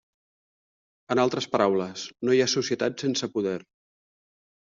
En altres paraules, no hi ha societat sense poder.